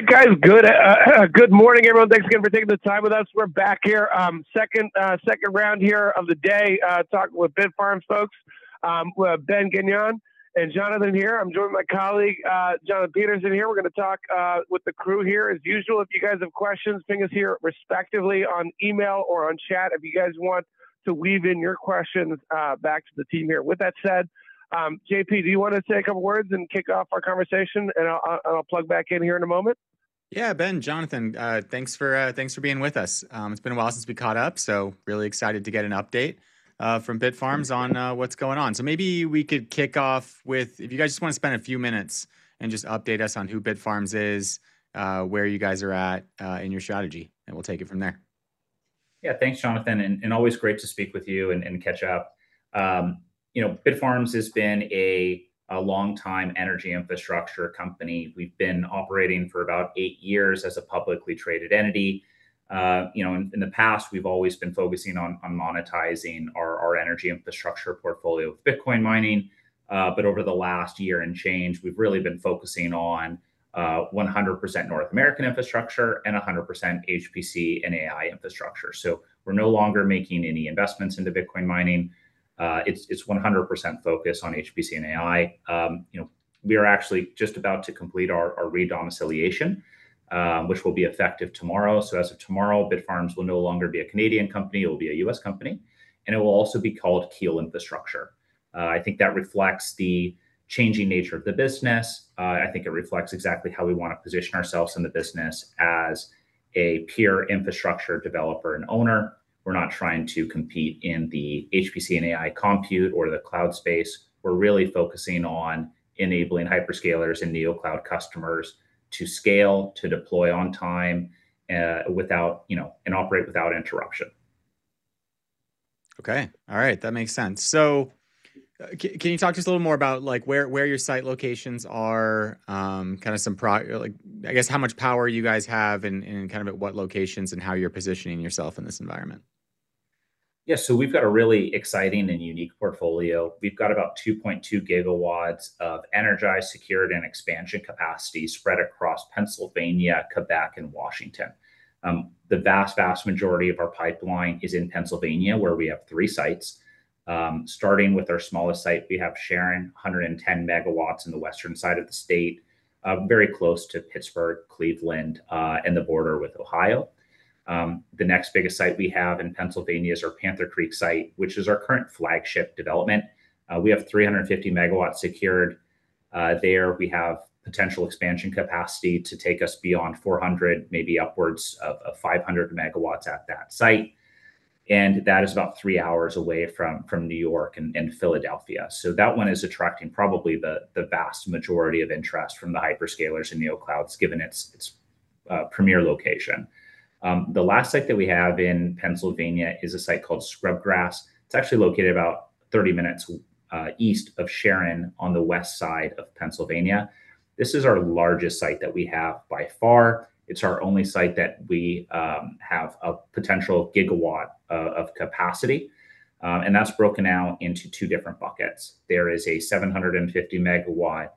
All right, guys. Good morning, everyone. Thanks again for taking the time with us. We're back here, second round here of the day, talking with Bitfarms folks. We have Ben Gagnon and Jonathan here. I'm joined with my colleague, Jonathan Petersen here. We're gonna talk with the crew here. As usual, if you guys have questions, ping us here respectively on email or on chat if you guys want to weave in your questions, back to the team here. With that said, JP, do you wanna say a couple words and kick off our conversation? I'll plug back in here in a moment. Yeah. Ben, Jonathan, thanks for being with us. It's been a while since we caught up, so I'm really excited to get an update from Bitfarms on what's going on. Maybe we could kick off with if you guys just wanna spend a few minutes and just update us on who Bitfarms is, where you guys are at in your strategy, and we'll take it from there. Yeah. Thanks, Jonathan, and always great to speak with you and catch up. You know, Bitfarms has been a longtime energy infrastructure company. We've been operating for about eight years as a publicly traded entity. You know, in the past, we've always been focusing on monetizing our energy infrastructure portfolio of Bitcoin mining, but over the last year and change, we've really been focusing on 100% North American infrastructure and 100% HPC and AI infrastructure. We're no longer making any investments into Bitcoin mining. It's 100% focused on HPC and AI. You know, we are actually just about to complete our re-domiciliation, which will be effective tomorrow. As of tomorrow, Bitfarms will no longer be a Canadian company. It will be a U.S. company, and it will also be called Keel Infrastructure. I think that reflects the changing nature of the business. I think it reflects exactly how we wanna position ourselves in the business as a pure infrastructure developer and owner. We're not trying to compete in the HPC and AI compute or the cloud space. We're really focusing on enabling hyperscalers and neo cloud customers to scale, to deploy on time, without, you know, and operate without interruption. Okay. All right. That makes sense. Can you talk to us a little more about, like, where your site locations are, kind of some like, I guess, how much power you guys have and kind of at what locations and how you're positioning yourself in this environment? Yeah. We've got a really exciting and unique portfolio. We've got about 2.2 GW of energized, secured, and expansion capacity spread across Pennsylvania, Quebec, and Washington. The vast majority of our pipeline is in Pennsylvania, where we have three sites. Starting with our smallest site, we have Sharon, 110 MW in the western side of the state, very close to Pittsburgh, Cleveland, and the border with Ohio. The next biggest site we have in Pennsylvania is our Panther Creek site, which is our current flagship development. We have 350 MW secured. There, we have potential expansion capacity to take us beyond 400, maybe upwards of 500 MW at that site, and that is about three hours away from New York and Philadelphia. That one is attracting probably the vast majority of interest from the hyperscalers and neo clouds given its premier location. The last site that we have in Pennsylvania is a site called Scrubgrass. It's actually located about 30 minutes east of Sharon on the west side of Pennsylvania. This is our largest site that we have a potential GW of capacity, and that's broken out into two different buckets. There is a 750 MW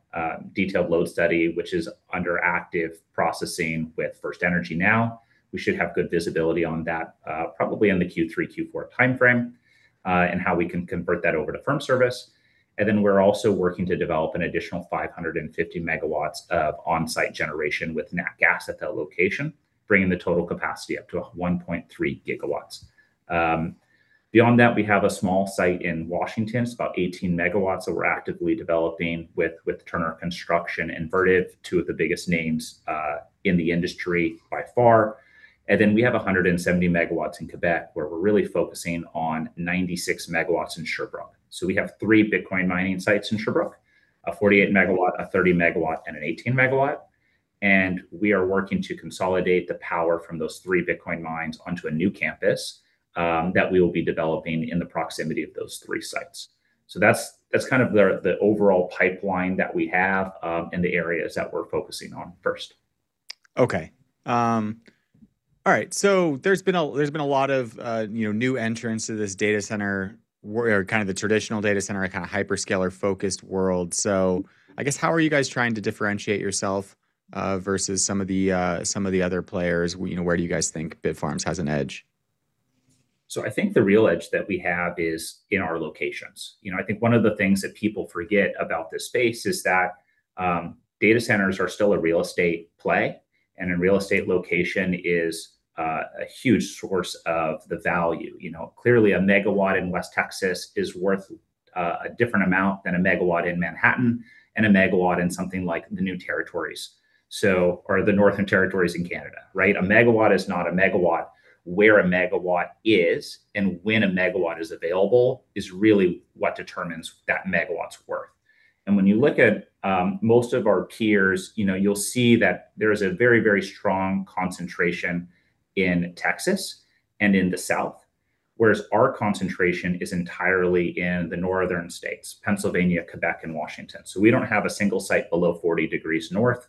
detailed load study, which is under active processing with FirstEnergy now. We should have good visibility on that probably in the Q3, Q4 timeframe, and how we can convert that over to firm service. We're also working to develop an additional 550 MW of on-site generation with nat gas at that location, bringing the total capacity up to 1.3 GW. Beyond that, we have a small site in Washington. It's about 18 MW that we're actively developing with Turner Construction, Vertiv, two of the biggest names in the industry by far. We have 170 MW in Quebec, where we're really focusing on 96 MW in Sherbrooke. We have three Bitcoin mining sites in Sherbrooke, a 48 MW, a 30 MW, and an 18 MW, and we are working to consolidate the power from those three Bitcoin mines onto a new campus that we will be developing in the proximity of those three sites. That's kind of the overall pipeline that we have and the areas that we're focusing on first. Okay. All right. There's been a lot of, you know, new entrants to this data center or kind of the traditional data center or kind of hyperscaler-focused world. I guess, how are you guys trying to differentiate yourself versus some of the other players? You know, where do you guys think Bitfarms has an edge? I think the real edge that we have is in our locations. You know, I think one of the things that people forget about this space is that, data centers are still a real estate play, and in real estate, location is, a huge source of the value. You know, clearly a megawatt in West Texas is worth, a different amount than a megawatt in Manhattan and a megawatt in something like the northern territories in Canada, right? A megawatt is not a megawatt. Where a megawatt is and when a megawatt is available is really what determines that megawatt's worth. When you look at, most of our peers, you know, you'll see that there is a very, very strong concentration in Texas and in the South. Whereas our concentration is entirely in the northern states, Pennsylvania, Quebec, and Washington. We don't have a single site below 40 degrees north.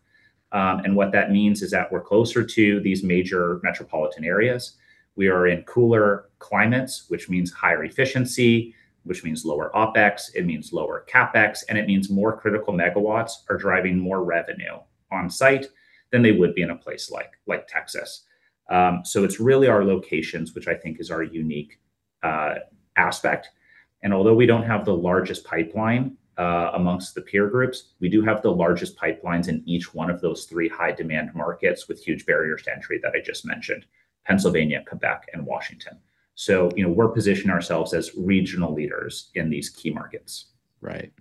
What that means is that we're closer to these major metropolitan areas. We are in cooler climates, which means higher efficiency, which means lower OpEx, it means lower CapEx, and it means more critical megawatts are driving more revenue on site than they would be in a place like Texas. It's really our locations, which I think is our unique aspect. Although we don't have the largest pipeline amongst the peer groups, we do have the largest pipelines in each one of those three high-demand markets with huge barriers to entry that I just mentioned, Pennsylvania, Quebec, and Washington. You know, we're positioning ourselves as regional leaders in these key markets. Right.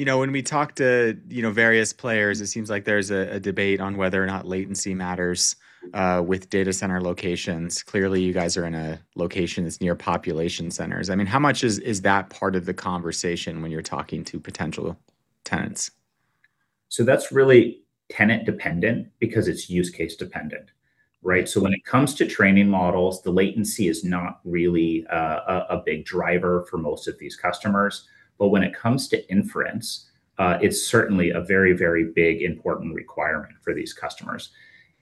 You know, when we talk to, you know, various players, it seems like there's a debate on whether or not latency matters with data center locations. Clearly, you guys are in a location that's near population centers. I mean, how much is that part of the conversation when you're talking to potential tenants? That's really tenant-dependent because it's use case dependent, right? When it comes to training models, the latency is not really a big driver for most of these customers. But when it comes to inference, it's certainly a very big, important requirement for these customers.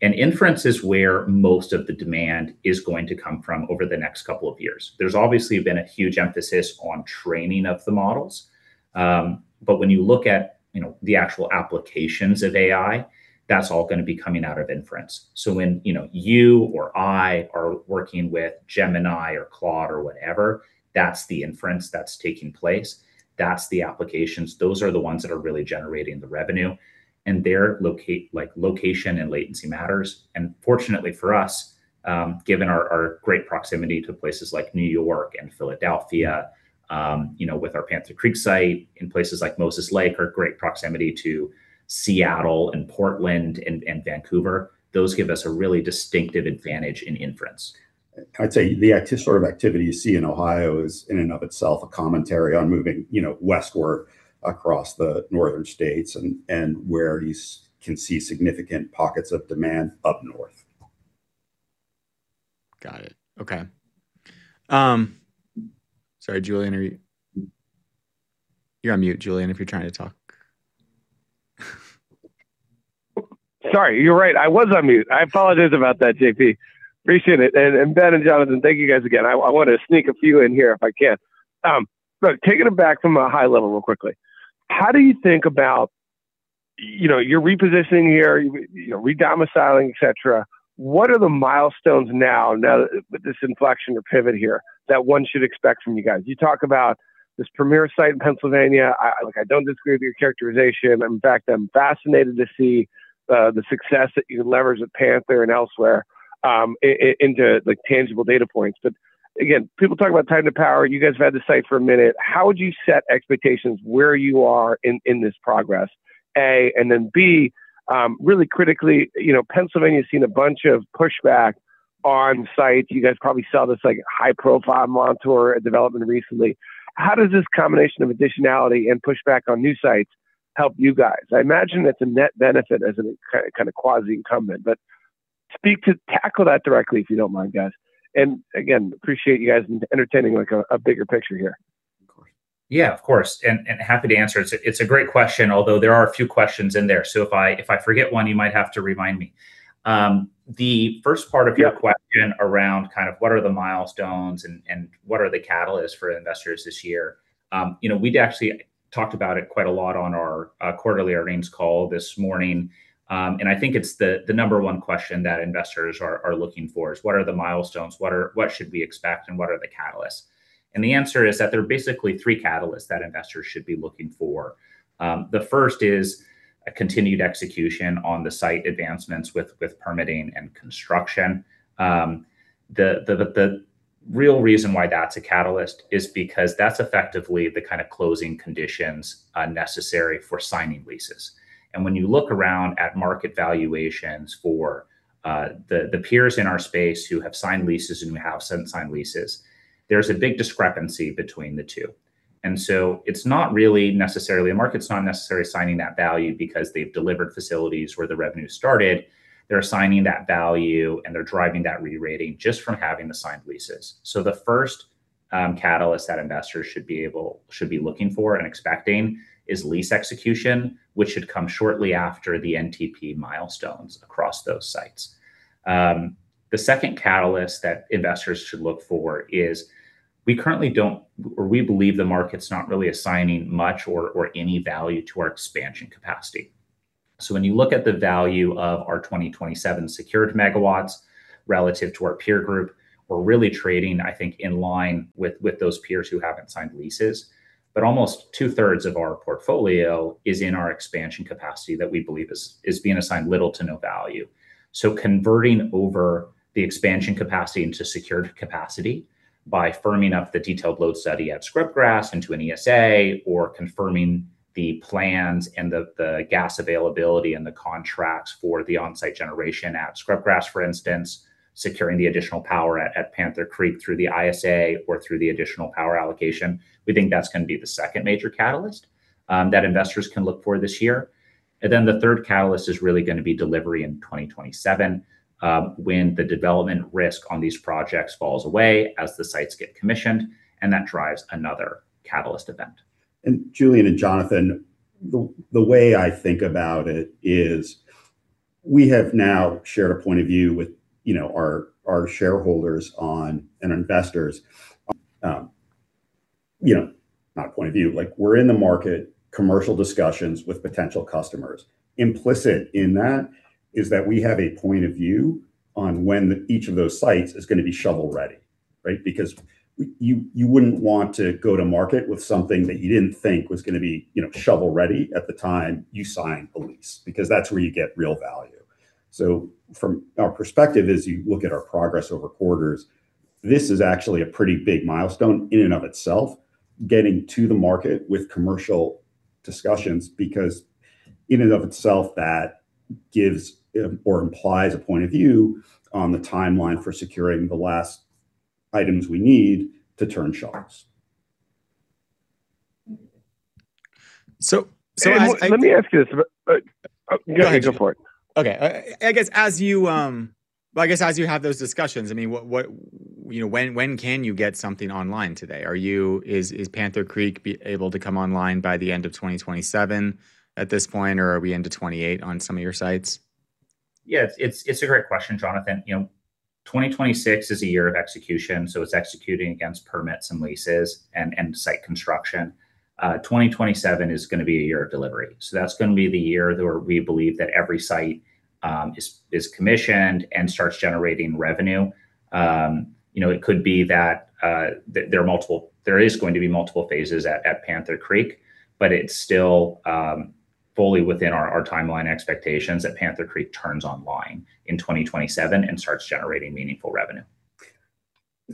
Inference is where most of the demand is going to come from over the next couple of years. There's obviously been a huge emphasis on training of the models. When you look at, you know, the actual applications of AI, that's all gonna be coming out of inference. When, you know, you or I are working with Gemini or Claude or whatever, that's the inference that's taking place. That's the applications. Those are the ones that are really generating the revenue, and their loca- like, location and latency matters. Fortunately for us, given our great proximity to places like New York and Philadelphia, you know, with our Panther Creek site in places like Moses Lake, our great proximity to Seattle and Portland and Vancouver, those give us a really distinctive advantage in inference. I'd say the sort of activity you see in Ohio is in and of itself a commentary on moving, you know, west or across the northern states and where you can see significant pockets of demand up north. Got it. Okay. Sorry, Julian, you're on mute, Julian, if you're trying to talk. Sorry. You're right. I was on mute. I apologize about that, JP. Appreciate it. Ben and Jonathan, thank you guys again. I want to sneak a few in here if I can. Look, taking it back from a high level real quickly, how do you think about, you know, you're repositioning here, you know, re-domiciling, et cetera. What are the milestones now with this inflection or pivot here, that one should expect from you guys? You talk about this premier site in Pennsylvania. Look, I don't disagree with your characterization. In fact, I'm fascinated to see the success that you leverage with Panther and elsewhere into, like, tangible data points. But again, people talk about time to power. You guys have had the site for a minute. How would you set expectations where you are in this progress, A? B, really critically, you know, Pennsylvania's seen a bunch of pushback on sites. You guys probably saw this, like, high-profile Montour development recently. How does this combination of additionality and pushback on new sites help you guys? I imagine it's a net benefit as a kind of quasi-incumbent. Tackle that directly, if you don't mind, guys. I appreciate you guys entertaining, like, a bigger picture here. Yeah, of course. Happy to answer. It's a great question, although there are a few questions in there. If I forget one, you might have to remind me. The first part of your Yep The question around kind of what are the milestones and what are the catalysts for investors this year, you know, we'd actually talked about it quite a lot on our quarterly earnings call this morning. I think it's the number one question that investors are looking for is: What are the milestones? What should we expect, and what are the catalysts? The answer is that there are basically three catalysts that investors should be looking for. The first is a continued execution on the site advancements with permitting and construction. The real reason why that's a catalyst is because that's effectively the kind of closing conditions necessary for signing leases. When you look around at market valuations for the peers in our space who have signed leases and who have unsigned leases, there's a big discrepancy between the two. It's not really necessarily a market. It's not necessarily assigning that value because they've delivered facilities where the revenue started. They're assigning that value, and they're driving that re-rating just from having the signed leases. The first catalyst that investors should be looking for and expecting is lease execution, which should come shortly after the NTP milestones across those sites. The second catalyst that investors should look for is we currently don't or we believe the market's not really assigning much or any value to our expansion capacity. When you look at the value of our 2027 secured megawatts relative to our peer group, we're really trading, I think, in line with those peers who haven't signed leases. Almost two-thirds of our portfolio is in our expansion capacity that we believe is being assigned little to no value. Converting over the expansion capacity into secured capacity by firming up the detailed load study at Scrubgrass into an ESA or confirming the plans and the gas availability and the contracts for the on-site generation at Scrubgrass, for instance, securing the additional power at Panther Creek through the ISA or through the additional power allocation, we think that's gonna be the second major catalyst that investors can look for this year. The third catalyst is really gonna be delivery in 2027, when the development risk on these projects falls away as the sites get commissioned, and that drives another catalyst event. Julian and Jonathan, the way I think about it is we have now shared a point of view with, you know, our shareholders and investors. Like, we're in the market commercial discussions with potential customers. Implicit in that is that we have a point of view on when each of those sites is gonna be shovel-ready, right? Because you wouldn't want to go to market with something that you didn't think was gonna be, you know, shovel-ready at the time you sign a lease, because that's where you get real value. From our perspective, as you look at our progress over quarters, this is actually a pretty big milestone in and of itself, getting to the market with commercial discussions, because in and of itself, that gives, or implies a point of view on the timeline for securing the last items we need to turn shards. So, so I- Let me ask you this about. Go ahead, go for it. Okay. I guess as you have those discussions, I mean, what, you know, when can you get something online today? Is Panther Creek able to come online by the end of 2027 at this point, or are we into 2028 on some of your sites? Yeah. It's a great question, Jonathan. You know, 2026 is a year of execution, so it's executing against permits and leases and site construction. 2027 is gonna be a year of delivery. So that's gonna be the year where we believe that every site is commissioned and starts generating revenue. You know, it could be that there is going to be multiple phases at Panther Creek, but it's still fully within our timeline expectations that Panther Creek turns online in 2027 and starts generating meaningful revenue.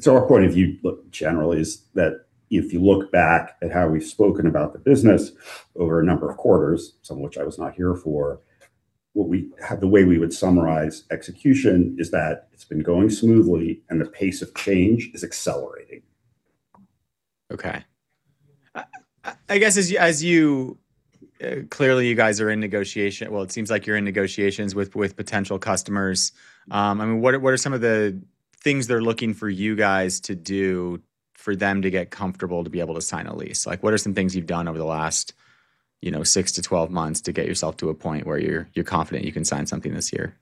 Our point of view, look, generally is that if you look back at how we've spoken about the business over a number of quarters, some of which I was not here for. The way we would summarize execution is that it's been going smoothly, and the pace of change is accelerating. Okay. I guess clearly you guys are in negotiation. Well, it seems like you're in negotiations with potential customers. I mean, what are some of the things they're looking for you guys to do for them to get comfortable to be able to sign a lease? Like, what are some things you've done over the last, you know, six-12 months to get yourself to a point where you're confident you can sign something this year?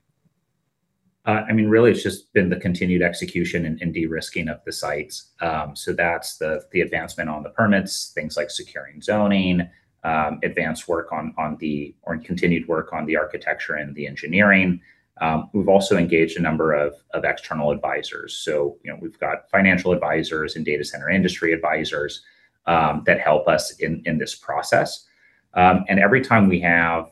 I mean, really it's just been the continued execution and de-risking of the sites. That's the advancement on the permits, things like securing zoning, advanced work on or continued work on the architecture and the engineering. We've also engaged a number of external advisors. You know, we've got financial advisors and data center industry advisors that help us in this process. Every time we have,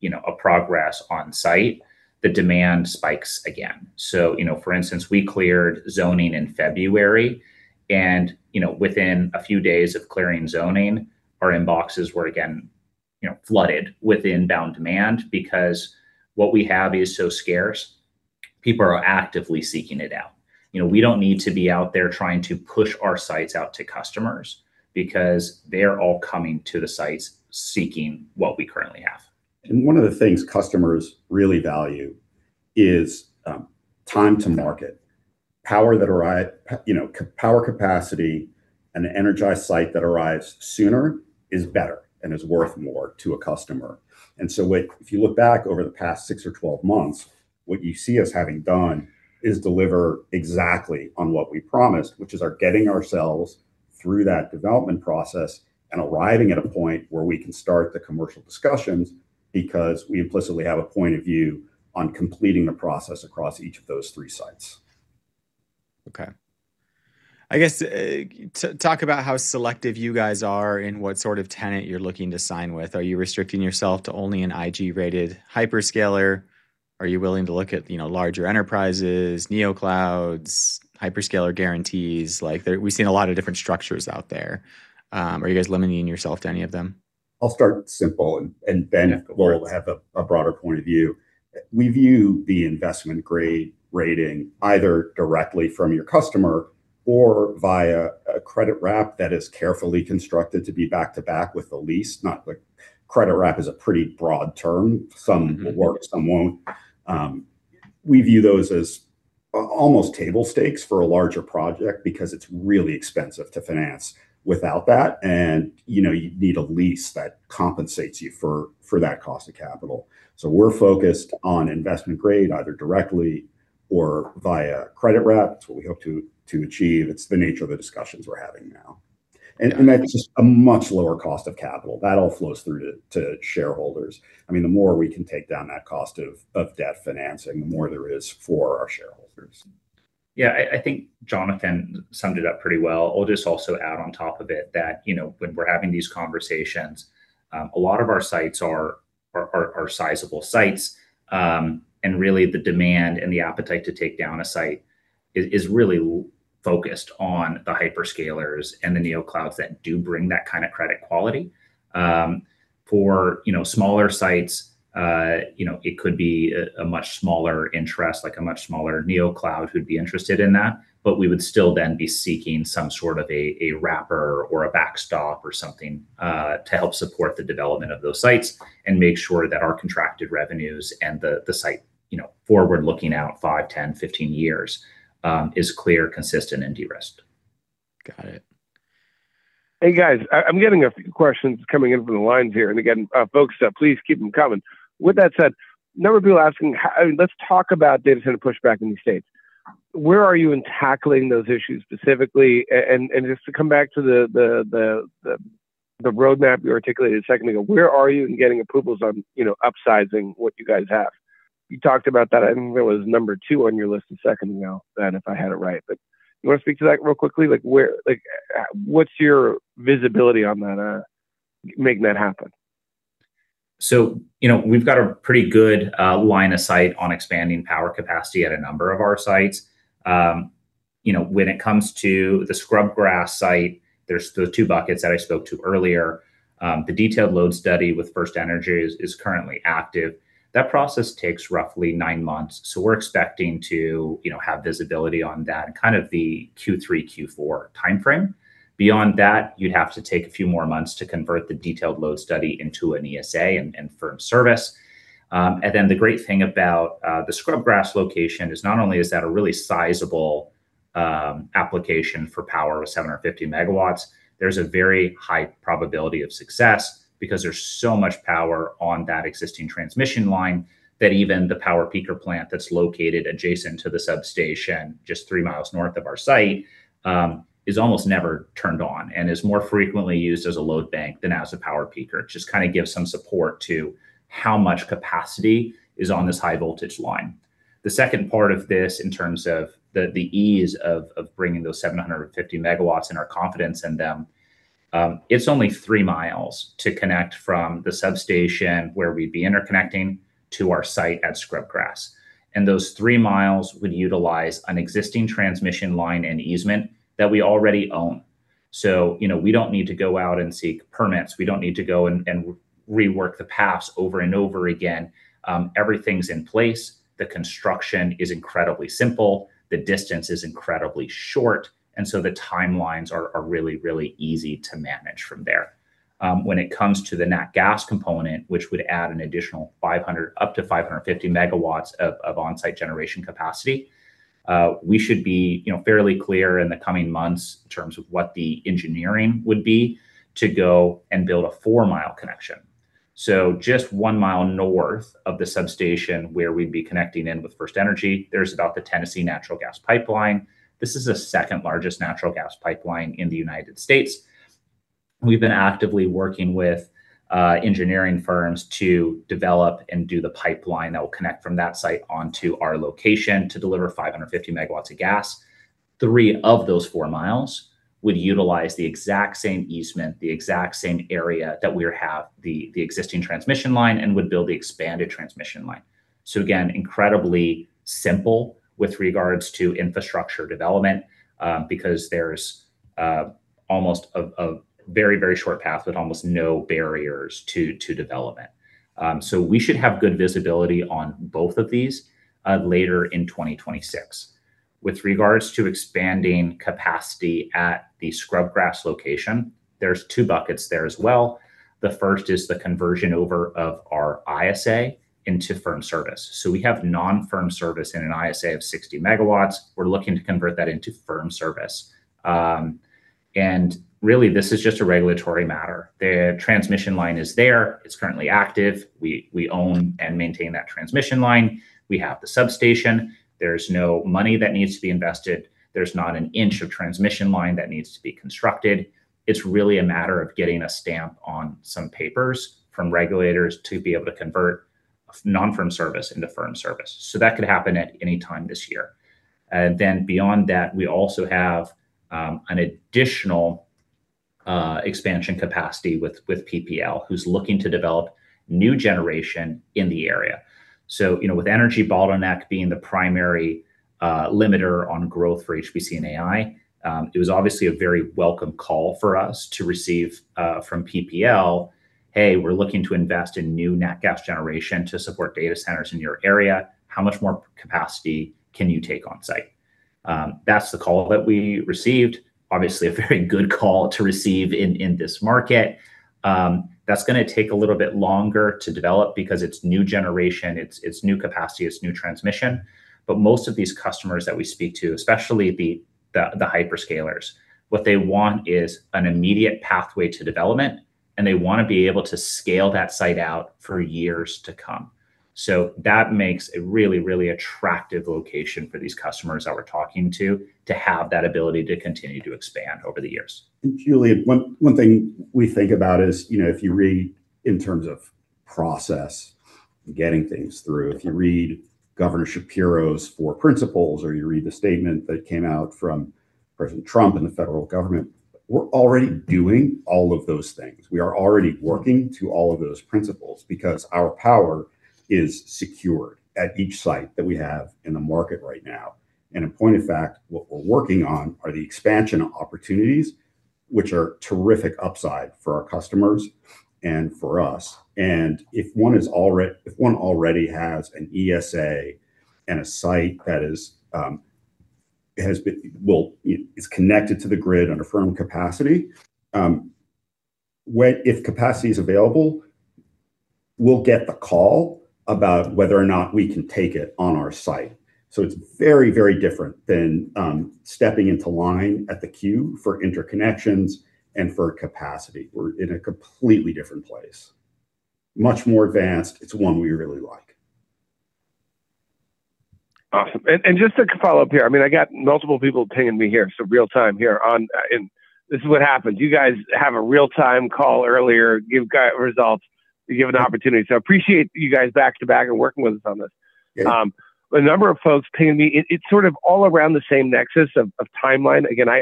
you know, progress on site, the demand spikes again. You know, for instance, we cleared zoning in February and, within a few days of clearing zoning, our inboxes were again, you know, flooded with inbound demand because what we have is so scarce, people are actively seeking it out. You know, we don't need to be out there trying to push our sites out to customers because they're all coming to the sites seeking what we currently have. One of the things customers really value is time to market. Power capacity and an energized site that arrives sooner is better and is worth more to a customer. If you look back over the past six or 12 months, what you see us having done is deliver exactly on what we promised, which is our getting ourselves through that development process and arriving at a point where we can start the commercial discussions because we implicitly have a point of view on completing the process across each of those three sites. Okay. I guess, talk about how selective you guys are and what sort of tenant you're looking to sign with. Are you restricting yourself to only an IG-rated hyperscaler? Are you willing to look at, you know, larger enterprises, neo clouds, hyperscaler guarantees? Like, there we've seen a lot of different structures out there. Are you guys limiting yourself to any of them? I'll start simple and Ben will have a broader point of view. We view the investment grade rating either directly from your customer or via a credit wrap that is carefully constructed to be back-to-back with the lease. Credit wrap is a pretty broad term. Some will work, some won't. We view those as almost table stakes for a larger project because it's really expensive to finance without that. You know, you need a lease that compensates you for that cost of capital. We're focused on investment grade, either directly or via credit wrap. It's what we hope to achieve. It's the nature of the discussions we're having now. That's just a much lower cost of capital. That all flows through to shareholders. I mean, the more we can take down that cost of debt financing, the more there is for our shareholders. Yeah. I think Jonathan summed it up pretty well. I'll just also add on top of it that, you know, when we're having these conversations, a lot of our sites are sizable sites. Really the demand and the appetite to take down a site is really focused on the hyperscalers and the neo clouds that do bring that kind of credit quality. For you know, smaller sites, you know, it could be a much smaller interest, like a much smaller neo cloud who'd be interested in that. We would still then be seeking some sort of a wrap or a backstop or something to help support the development of those sites and make sure that our contracted revenues and the site, you know, forward looking out five, 10, 15 years, is clear, consistent, and de-risked. Got it. Hey guys, I'm getting a few questions coming in from the lines here, and again, folks, please keep them coming. With that said, a number of people asking how, let's talk about data center pushback in the States. Where are you in tackling those issues specifically? And just to come back to the roadmap you articulated a second ago, where are you in getting approvals on, you know, upsizing what you guys have? You talked about that, I think that was number two on your list a second ago, Ben Gagnon, if I had it right. You wanna speak to that real quickly? Like where, like, what's your visibility on that, making that happen? You know, we've got a pretty good line of sight on expanding power capacity at a number of our sites. You know, when it comes to the Scrubgrass site, there's the two buckets that I spoke to earlier. The detailed load study with FirstEnergy is currently active. That process takes roughly nine months, so we're expecting to have visibility on that in kind of the Q3-Q4 timeframe. Beyond that, you'd have to take a few more months to convert the detailed load study into an ESA and firm service. The great thing about the Scrubgrass location is not only is that a really sizable application for power with 750 MW, there's a very high probability of success because there's so much power on that existing transmission line that even the power peaker plant that's located adjacent to the substation just 3 mi north of our site is almost never turned on and is more frequently used as a load bank than as a power peaker. It just kind of gives some support to how much capacity is on this high voltage line. The second part of this in terms of the ease of bringing those 750 MW and our confidence in them, it's only 3 mi to connect from the substation where we'd be interconnecting to our site at Scrubgrass. Those 3 mi would utilize an existing transmission line and easement that we already own. You know, we don't need to go out and seek permits. We don't need to go and rework the paths over and over again. Everything's in place. The construction is incredibly simple. The distance is incredibly short, and the timelines are really easy to manage from there. When it comes to the nat gas component, which would add an additional 500 MW-550 MW of onsite generation capacity, we should be, you know, fairly clear in the coming months in terms of what the engineering would be to go and build a 4 mi connection. Just 1 mi north of the substation where we'd be connecting in with FirstEnergy, there's about the Tennessee Gas Pipeline. This is the second largest natural gas pipeline in the United States. We've been actively working with engineering firms to develop and do the pipeline that will connect from that site onto our location to deliver 550 MW of gas. Three of those 4 mi would utilize the exact same easement, the exact same area that we have the existing transmission line, and would build the expanded transmission line. Again, incredibly simple with regards to infrastructure development, because there's almost a very short path with almost no barriers to development. We should have good visibility on both of these later in 2026. With regards to expanding capacity at the Scrubgrass location, there's two buckets there as well. The first is the conversion over of our ISA into firm service. We have non-firm service in an ISA of 60 MW. We're looking to convert that into firm service. And really this is just a regulatory matter. The transmission line is there. It's currently active. We own and maintain that transmission line. We have the substation. There's no money that needs to be invested. There's not an inch of transmission line that needs to be constructed. It's really a matter of getting a stamp on some papers from regulators to be able to convert non-firm service into firm service. That could happen at any time this year. Then beyond that, we also have an additional expansion capacity with PPL, who's looking to develop new generation in the area. You know, with energy bottleneck being the primary limiter on growth for HPC and AI, it was obviously a very welcome call for us to receive from PPL, "Hey, we're looking to invest in new nat gas generation to support data centers in your area. How much more capacity can you take on site?" That's the call that we received. Obviously a very good call to receive in this market. That's gonna take a little bit longer to develop because it's new generation, it's new capacity, it's new transmission. Most of these customers that we speak to, especially the hyperscalers, what they want is an immediate pathway to development, and they wanna be able to scale that site out for years to come. That makes a really, really attractive location for these customers that we're talking to have that ability to continue to expand over the years. Julian, one thing we think about is, you know, if you read in terms of process, getting things through, if you read Governor Shapiro's four principles or you read the statement that came out from President Trump and the federal government, we're already doing all of those things. We are already working to all of those principles because our power is secured at each site that we have in the market right now. A point of fact, what we're working on are the expansion opportunities, which are terrific upside for our customers and for us. If one already has an ESA and a site that is connected to the grid under firm capacity, if capacity is available, we'll get the call about whether or not we can take it on our site. It's very, very different than stepping into line at the queue for interconnections and for capacity. We're in a completely different place. Much more advanced. It's one we really like. Awesome. Just a follow-up here. I mean, I got multiple people pinging me here, so real time here on. This is what happens. You guys have a real time call earlier. You've got results. You have an opportunity. Appreciate you guys back to back and working with us on this. Yeah. A number of folks pinging me. It's sort of all around the same nexus of timeline. Again, I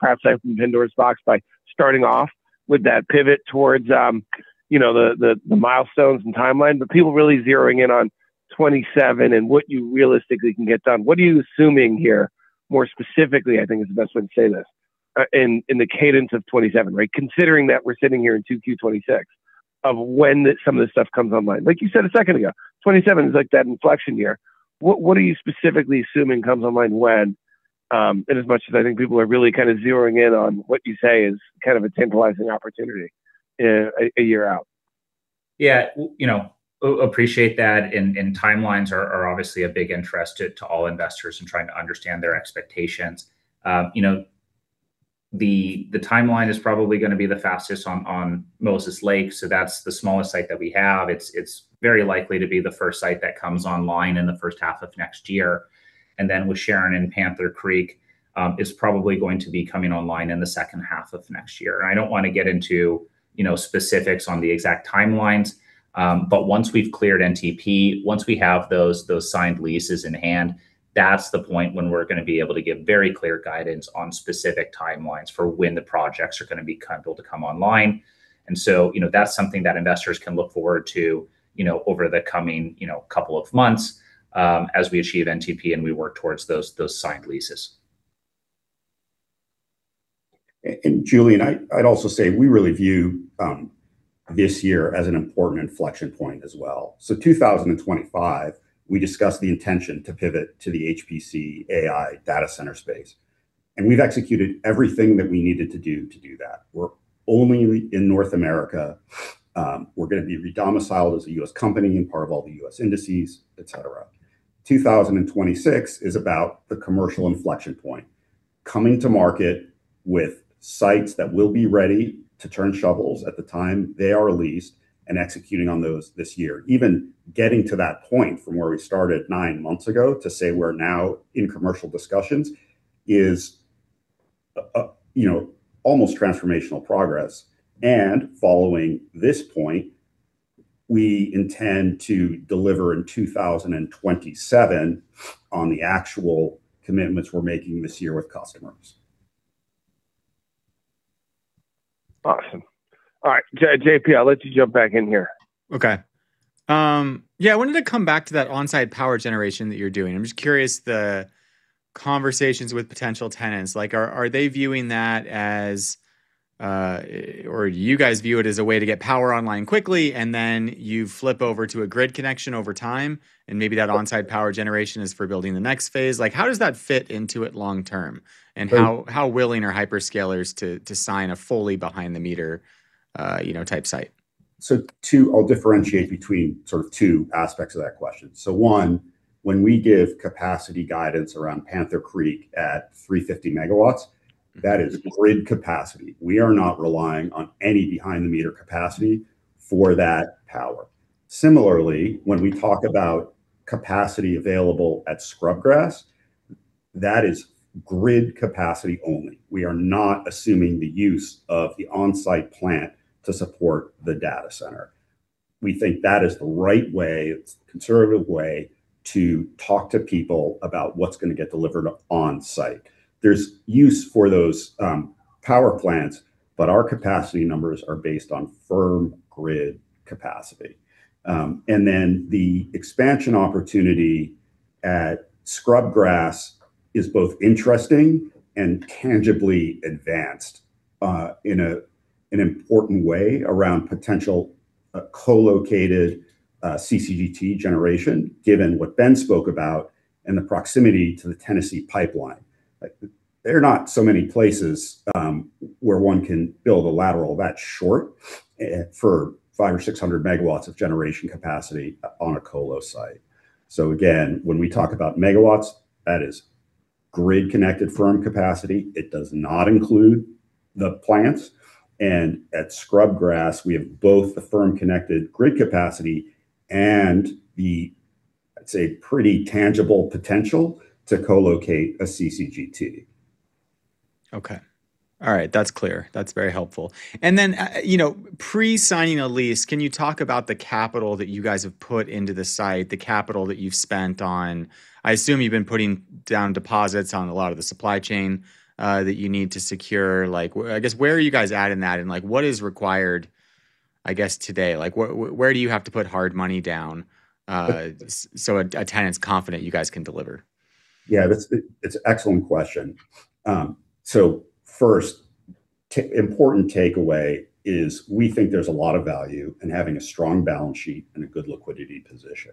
perhaps opened Pandora's box by starting off with that pivot towards, you know, the milestones and timeline. People really zeroing in on 2027 and what you realistically can get done. What are you assuming here, more specifically, I think is the best way to say this, in the cadence of 2027, right? Considering that we're sitting here in 2Q 2026, of when some of this stuff comes online. Like you said a second ago, 2027 is like that inflection year. What are you specifically assuming comes online when, in as much as I think people are really kind of zeroing in on what you say is kind of a tantalizing opportunity, a year out? Yeah. You know, I appreciate that, and timelines are obviously a big interest to all investors in trying to understand their expectations. You know, the timeline is probably gonna be the fastest on Moses Lake, so that's the smallest site that we have. It's very likely to be the first site that comes online in the first half of next year. Then with Sharon and Panther Creek is probably going to be coming online in the second half of next year. I don't wanna get into you know, specifics on the exact timelines, but once we've cleared NTP, once we have those signed leases in hand, that's the point when we're gonna be able to give very clear guidance on specific timelines for when the projects are gonna be built to come online. You know, that's something that investors can look forward to, you know, over the coming, you know, couple of months, as we achieve NTP and we work towards those signed leases. Julian, I'd also say we really view this year as an important inflection point as well. 2025, we discussed the intention to pivot to the HPC AI data center space, and we've executed everything that we needed to do to do that. We're only in North America. We're gonna be re-domiciled as a U.S. company and part of all the U.S. indices, et cetera. 2026 is about the commercial inflection point, coming to market with sites that will be ready to turn shovels at the time they are leased and executing on those this year. Even getting to that point from where we started nine months ago to say we're now in commercial discussions is, you know, almost transformational progress. Following this point, we intend to deliver in 2027 on the actual commitments we're making this year with customers. Awesome. All right. JP, I'll let you jump back in here. Okay. Yeah, I wanted to come back to that on-site power generation that you're doing. I'm just curious, the conversations with potential tenants, like are they viewing that as, or you guys view it as a way to get power online quickly, and then you flip over to a grid connection over time, and maybe that on-site power generation is for building the next phase? Like, how does that fit into it long term? And how willing are hyperscalers to sign a fully behind the meter, you know, type site? I'll differentiate between sort of two aspects of that question. One, when we give capacity guidance around Panther Creek at 350 MW, that is grid capacity. We are not relying on any behind the meter capacity for that power. Similarly, when we talk about capacity available at Scrubgrass, that is grid capacity only. We are not assuming the use of the on-site plant to support the data center. We think that is the right way, it's the conservative way to talk to people about what's gonna get delivered on site. There's use for those power plants, but our capacity numbers are based on firm grid capacity. The expansion opportunity at Scrubgrass is both interesting and tangibly advanced in an important way around potential co-located CCGT generation, given what Ben spoke about and the proximity to the Tennessee Pipeline. Like, there are not so many places where one can build a lateral that short for 500 or 600 megawatts of generation capacity on a colo site. Again, when we talk about megawatts, that is grid connected firm capacity. It does not include the plants. At Scrubgrass, we have both the firm connected grid capacity and the, I'd say, pretty tangible potential to co-locate a CCGT. Okay. All right. That's clear. That's very helpful. Then, you know, pre-signing a lease, can you talk about the capital that you guys have put into the site, the capital that you've spent on. I assume you've been putting down deposits on a lot of the supply chain, that you need to secure. Like I guess, where are you guys at in that, and, like, what is required? I guess today, like where do you have to put hard money down, so a tenant's confident you guys can deliver? It's an excellent question. First, important takeaway is we think there's a lot of value in having a strong balance sheet and a good liquidity position.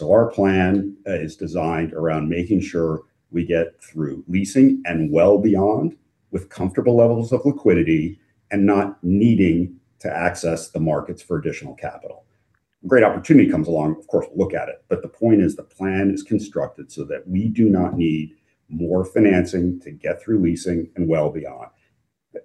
Our plan is designed around making sure we get through leasing and well beyond with comfortable levels of liquidity and not needing to access the markets for additional capital. Great opportunity comes along, of course, we'll look at it. The point is the plan is constructed so that we do not need more financing to get through leasing and well beyond.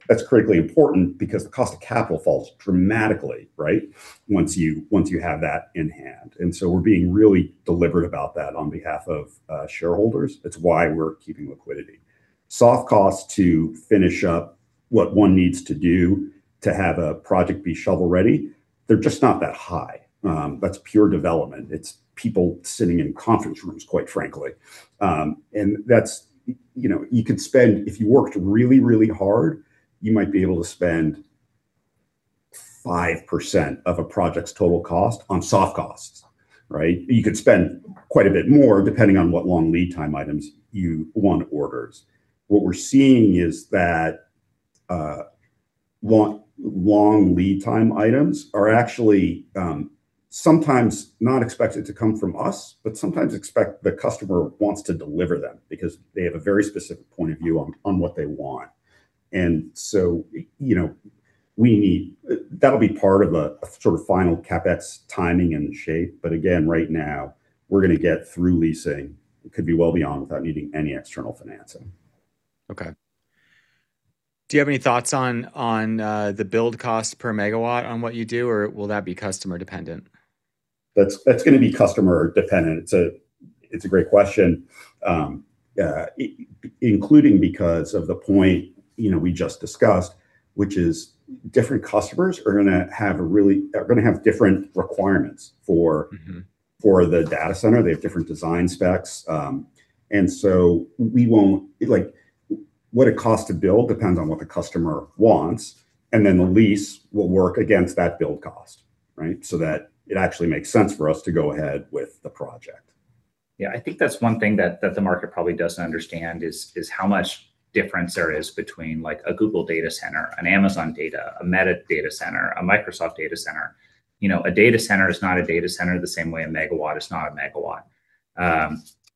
That's critically important because the cost of capital falls dramatically, right, once you have that in hand. We're being really deliberate about that on behalf of shareholders. It's why we're keeping liquidity. Soft costs to finish up what one needs to do to have a project be shovel-ready, they're just not that high. That's pure development. It's people sitting in conference rooms, quite frankly. That's, you know, you could spend if you worked really, really hard, you might be able to spend 5% of a project's total cost on soft costs, right? You could spend quite a bit more depending on what long lead time items you want ordered. What we're seeing is that long lead time items are actually sometimes not expected to come from us, but sometimes the customer expects to deliver them because they have a very specific point of view on what they want. You know, that'll be part of a sort of final CapEx timing and shape. Again, right now we're gonna get through leasing. It could be well beyond without needing any external financing. Okay. Do you have any thoughts on the build cost per megawatt on what you do, or will that be customer dependent? That's gonna be customer dependent. It's a great question, including because of the point, you know, we just discussed, which is different customers are gonna have different requirements for the data center. They have different design specs, like, what it costs to build depends on what the customer wants, and then the lease will work against that build cost, right? That it actually makes sense for us to go ahead with the project. Yeah, I think that's one thing that the market probably doesn't understand is how much difference there is between like a Google data center, an Amazon data center, a Meta data center, a Microsoft data center. You know, a data center is not a data center the same way a megawatt is not a megawatt.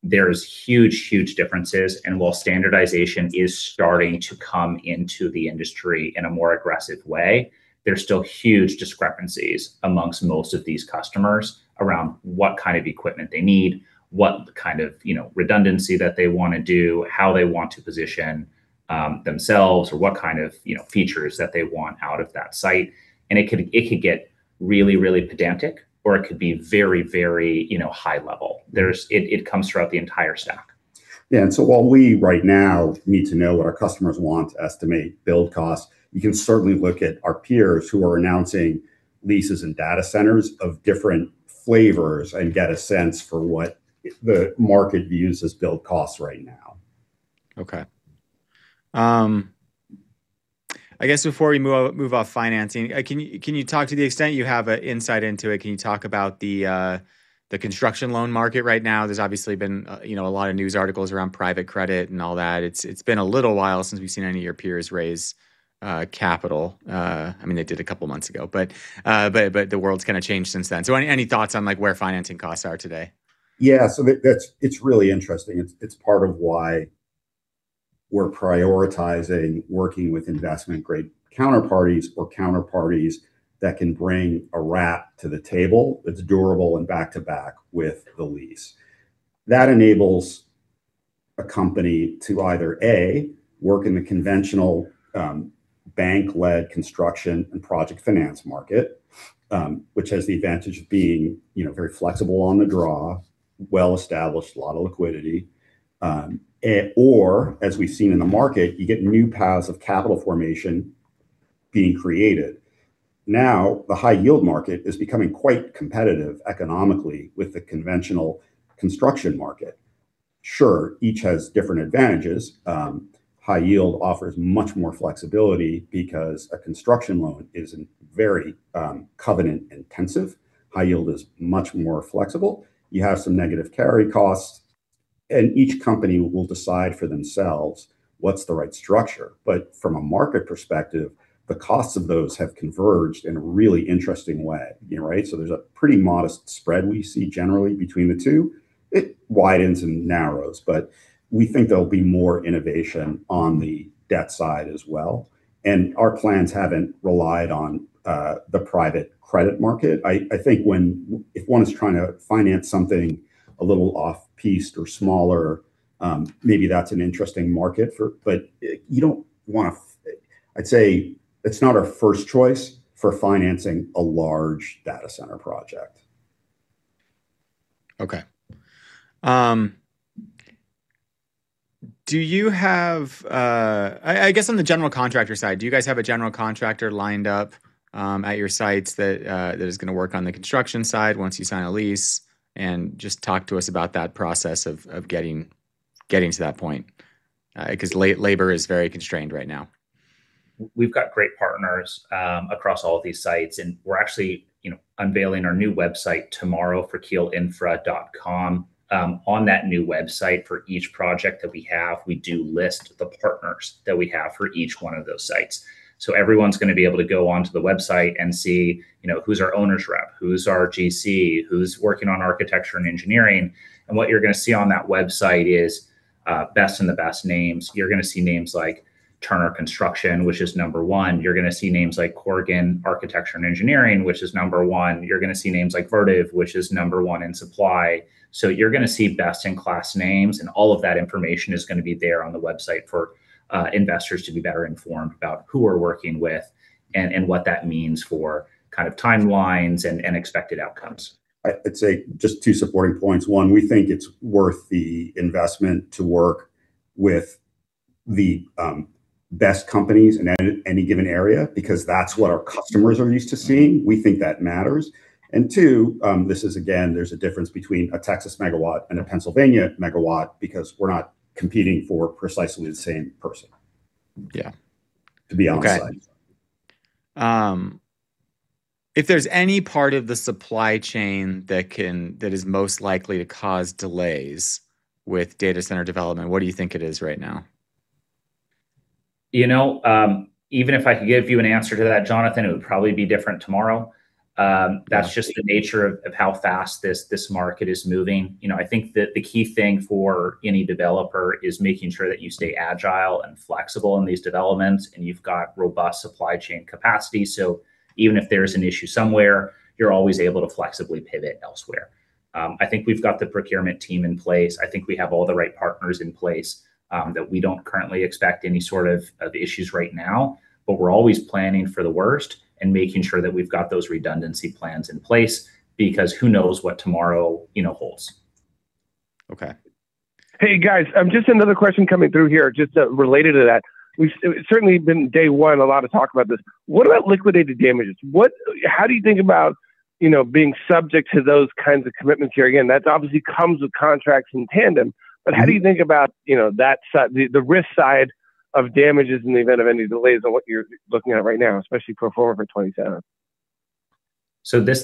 There's huge differences, and while standardization is starting to come into the industry in a more aggressive way, there's still huge discrepancies amongst most of these customers around what kind of equipment they need, what kind of, you know, redundancy that they wanna do, how they want to position themselves, or what kind of, you know, features that they want out of that site. It could get really pedantic or it could be very, you know, high level. It comes throughout the entire stack. Yeah. While we right now need to know what our customers want to estimate build costs, you can certainly look at our peers who are announcing leases and data centers of different flavors and get a sense for what the market views as build costs right now. Okay. I guess before we move off financing, can you talk to the extent you have a insight into it? Can you talk about the construction loan market right now? There's obviously been you know, a lot of news articles around private credit and all that. It's been a little while since we've seen any of your peers raise capital. I mean, they did a couple months ago, but the world's kinda changed since then. Any thoughts on like where financing costs are today? Yeah. It's really interesting. It's part of why we're prioritizing working with investment grade counterparties or counterparties that can bring a credit wrap to the table that's durable and back-to-back with the lease. That enables a company to either A, work in the conventional bank-led construction and project finance market, which has the advantage of being you know very flexible on the draw, well-established, a lot of liquidity or as we've seen in the market, you get new paths of capital formation being created. Now, the high yield market is becoming quite competitive economically with the conventional construction market. Sure, each has different advantages. High yield offers much more flexibility because a construction loan is very covenant intensive. High yield is much more flexible. You have some negative carry costs, and each company will decide for themselves what's the right structure. From a market perspective, the costs of those have converged in a really interesting way, you know, right? There's a pretty modest spread we see generally between the two. It widens and narrows, but we think there'll be more innovation on the debt side as well, and our plans haven't relied on the private credit market. I think if one is trying to finance something a little off-piece or smaller, maybe that's an interesting market. You don't wanna. I'd say it's not our first choice for financing a large data center project. Okay. I guess on the general contractor side, do you guys have a general contractor lined up at your sites that is gonna work on the construction side once you sign a lease? Just talk to us about that process of getting to that point, 'cause labor is very constrained right now. We've got great partners across all of these sites, and we're actually, you know, unveiling our new website tomorrow for keelinfra.com. On that new website for each project that we have, we do list the partners that we have for each one of those sites. So everyone's gonna be able to go onto the website and see, you know, who's our owner's rep, who's our GC, who's working on architecture and engineering. What you're gonna see on that website is, best of the best names. You're gonna see names like Turner Construction, which is number one. You're gonna see names like Corgan Architecture and Engineering, which is number one. You're gonna see names like Vertiv, which is number one in supply. You're gonna see best-in-class names, and all of that information is gonna be there on the website for investors to be better informed about who we're working with and what that means for kind of timelines and expected outcomes. I'd say just two supporting points. One, we think it's worth the investment to work with the best companies in any given area because that's what our customers are used to seeing. We think that matters. Two, this is again, there's a difference between a Texas megawatt and a Pennsylvania megawatt because we're not competing for precisely the same person. Yeah. To be honest. Okay. If there's any part of the supply chain that is most likely to cause delays with data center development, what do you think it is right now? You know, even if I could give you an answer to that, Jonathan, it would probably be different tomorrow. That's just the nature of how fast this market is moving. You know, I think that the key thing for any developer is making sure that you stay agile and flexible in these developments and you've got robust supply chain capacity. Even if there's an issue somewhere, you're always able to flexibly pivot elsewhere. I think we've got the procurement team in place. I think we have all the right partners in place, that we don't currently expect any sort of issues right now, but we're always planning for the worst and making sure that we've got those redundancy plans in place because who knows what tomorrow, you know, holds. Okay. Hey, guys, just another question coming through here just related to that. We've certainly heard from day one a lot of talk about this. What about liquidated damages? How do you think about, you know, being subject to those kinds of commitments here? Again, that obviously comes with contracts in tandem, but how do you think about, you know, the risk side of damages in the event of any delays on what you're looking at right now, especially performing for 2027?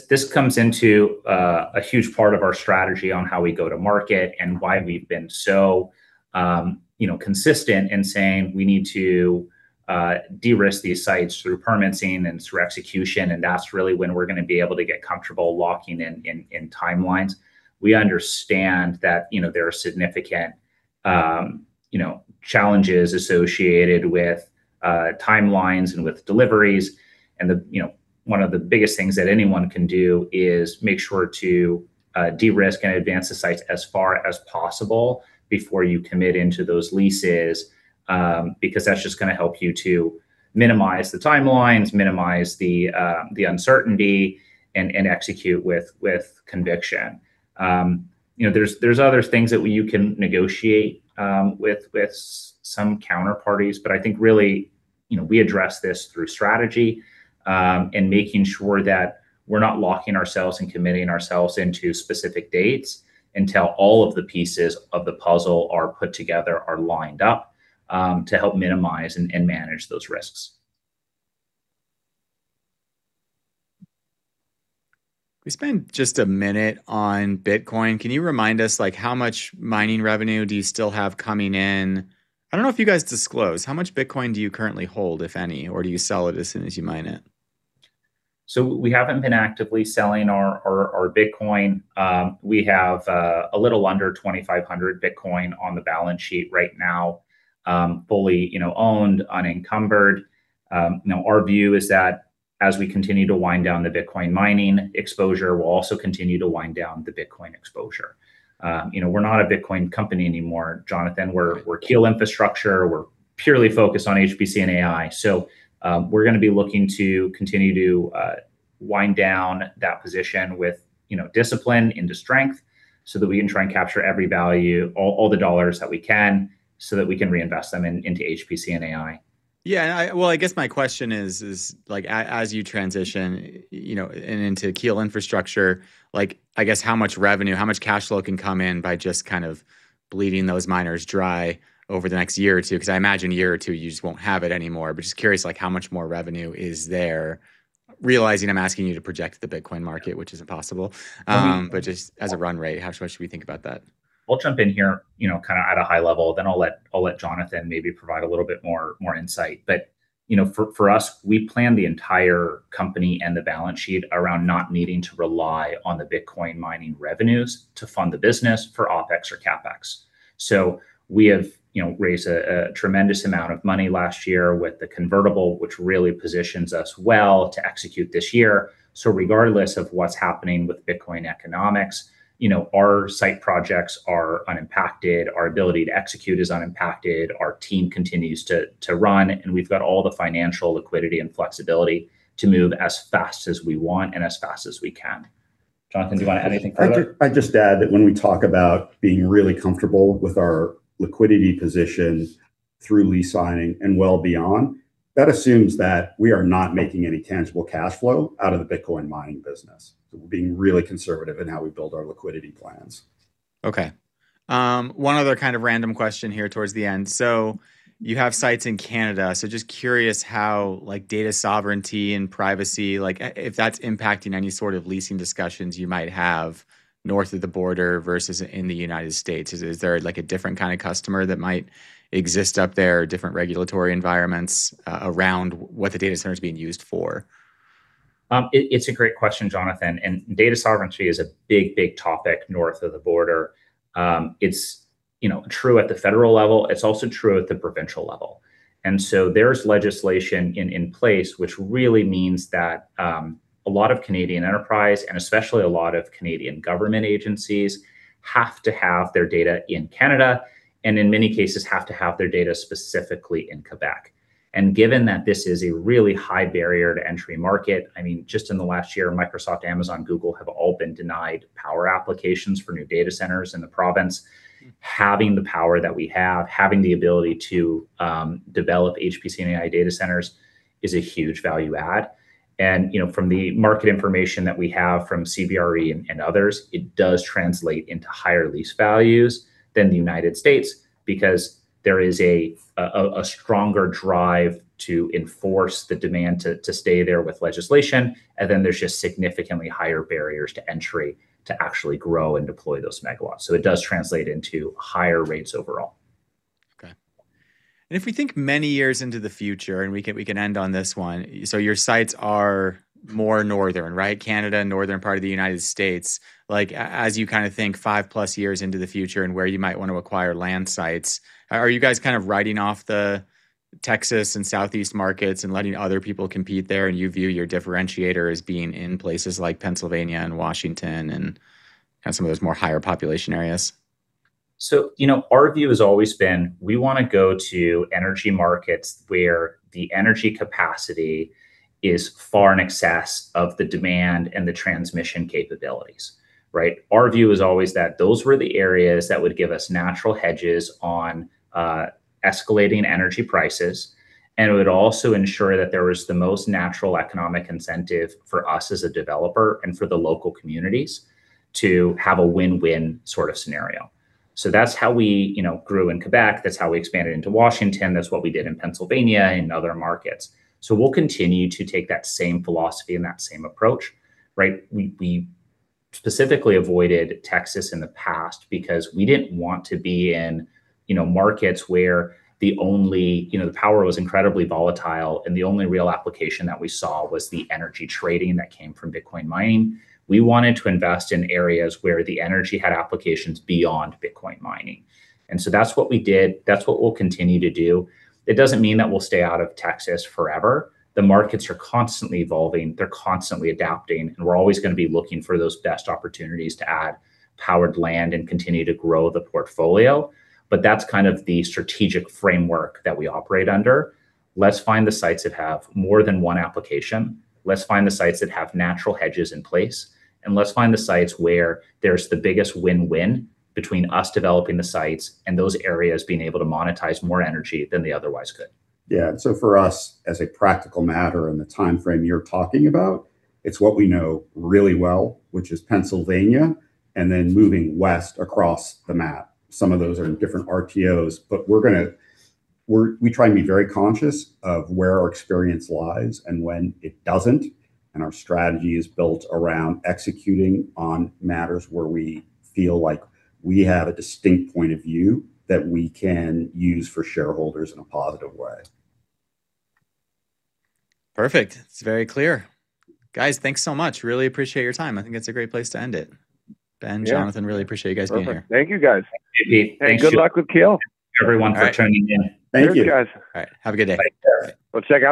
This comes into a huge part of our strategy on how we go to market and why we've been so, you know, consistent in saying we need to de-risk these sites through permitting and through execution, and that's really when we're gonna be able to get comfortable locking in timelines. We understand that, you know, there are significant, you know, challenges associated with timelines and with deliveries and the, you know, one of the biggest things that anyone can do is make sure to de-risk and advance the sites as far as possible before you commit into those leases, because that's just gonna help you to minimize the timelines, minimize the uncertainty, and execute with conviction. You know, there's other things that you can negotiate with some counterparties, but I think really, you know, we address this through strategy and making sure that we're not locking ourselves and committing ourselves into specific dates until all of the pieces of the puzzle are put together, are lined up to help minimize and manage those risks. We spent just a minute on Bitcoin. Can you remind us, like, how much mining revenue do you still have coming in? I don't know if you guys disclose. How much Bitcoin do you currently hold, if any? Or do you sell it as soon as you mine it? We haven't been actively selling our Bitcoin. We have a little under 2,500 Bitcoin on the balance sheet right now, fully, you know, owned, unencumbered. You know, our view is that as we continue to wind down the Bitcoin mining exposure, we'll also continue to wind down the Bitcoin exposure. You know, we're not a Bitcoin company anymore, Jonathan. We're Keel Infrastructure. We're purely focused on HPC and AI. We're gonna be looking to continue to wind down that position with, you know, discipline into strength so that we can try and capture every value, all the dollars that we can, so that we can reinvest them into HPC and AI. Well, I guess my question is, like as you transition, you know, and into Keel Infrastructure, like, I guess, how much revenue, how much cash flow can come in by just kind of bleeding those miners dry over the next year or two? 'Cause I imagine a year or two, you just won't have it anymore. Just curious, like how much more revenue is there? Realizing I'm asking you to project the Bitcoin market, which isn't possible. Just as a run rate, how much should we think about that? I'll jump in here, you know, kind of at a high level, then I'll let Jonathan maybe provide a little bit more insight. You know, for us, we plan the entire company and the balance sheet around not needing to rely on the Bitcoin mining revenues to fund the business for OpEx or CapEx. We have, you know, raised a tremendous amount of money last year with the convertible, which really positions us well to execute this year. Regardless of what's happening with Bitcoin economics, you know, our site projects are unimpacted, our ability to execute is unimpacted, our team continues to run, and we've got all the financial liquidity and flexibility to move as fast as we want and as fast as we can. Jonathan, do you wanna add anything to that? I'd just add that when we talk about being really comfortable with our liquidity position through lease signing and well beyond. That assumes that we are not making any tangible cashflow out of the Bitcoin mining business. We're being really conservative in how we build our liquidity plans. Okay. One other kind of random question here towards the end. You have sites in Canada, so just curious how, like, data sovereignty and privacy, like, if that's impacting any sort of leasing discussions you might have north of the border versus in the United States. Is there, like, a different kind of customer that might exist up there, different regulatory environments around what the data center's being used for? It's a great question, Jonathan, and data sovereignty is a big topic north of the border. It's, you know, true at the federal level. It's also true at the provincial level. There's legislation in place which really means that a lot of Canadian enterprise, and especially a lot of Canadian government agencies, have to have their data in Canada, and in many cases have to have their data specifically in Quebec. Given that this is a really high barrier to entry market, I mean, just in the last year, Microsoft, Amazon, Google have all been denied power applications for new data centers in the province. Having the power that we have, having the ability to develop HPC and AI data centers is a huge value add. You know, from the market information that we have from CBRE and others, it does translate into higher lease values than the United States because there is a stronger drive to enforce the demand to stay there with legislation, and then there's just significantly higher barriers to entry to actually grow and deploy those megawatts. It does translate into higher rates overall. Okay. If we think many years into the future, and we can end on this one, so your sites are more northern, right? Canada, northern part of the United States. Like, as you kind of think 5+ years into the future and where you might want to acquire land sites, are you guys kind of writing off the Texas and Southeast markets and letting other people compete there, and you view your differentiator as being in places like Pennsylvania and Washington and kind of some of those more higher population areas? You know, our view has always been we wanna go to energy markets where the energy capacity is far in excess of the demand and the transmission capabilities, right? Our view is always that those were the areas that would give us natural hedges on escalating energy prices, and it would also ensure that there was the most natural economic incentive for us as a developer and for the local communities to have a win-win sort of scenario. That's how we, you know, grew in Quebec. That's how we expanded into Washington. That's what we did in Pennsylvania and other markets. We'll continue to take that same philosophy and that same approach, right? We specifically avoided Texas in the past because we didn't want to be in, you know, markets where the only You know, the power was incredibly volatile, and the only real application that we saw was the energy trading that came from Bitcoin mining. We wanted to invest in areas where the energy had applications beyond Bitcoin mining. That's what we did. That's what we'll continue to do. It doesn't mean that we'll stay out of Texas forever. The markets are constantly evolving. They're constantly adapting. We're always gonna be looking for those best opportunities to add powered land and continue to grow the portfolio, but that's kind of the strategic framework that we operate under. Let's find the sites that have more than one application. Let's find the sites that have natural hedges in place. Let's find the sites where there's the biggest win-win between us developing the sites and those areas being able to monetize more energy than they otherwise could. Yeah. For us, as a practical matter in the timeframe you're talking about, it's what we know really well, which is Pennsylvania, and then moving west across the map. Some of those are in different RTOs, but we're gonna, we try and be very conscious of where our experience lies and when it doesn't, and our strategy is built around executing on matters where we feel like we have a distinct point of view that we can use for shareholders in a positive way. Perfect. It's very clear. Guys, thanks so much. Really appreciate your time. I think it's a great place to end it. Ben. Yeah Jonathan, I really appreciate you guys being here. Perfect. Thank you, guys. Thank you, Pete. Thanks to- Good luck with Keel. Thank you, everyone, for tuning in. All right. Thank you. All right. Have a good day. Bye.